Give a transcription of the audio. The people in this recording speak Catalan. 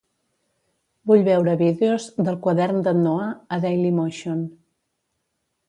Vull veure vídeos d'"El quadern d'en Noah" a DailyMotion.